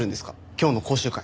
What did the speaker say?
今日の講習会。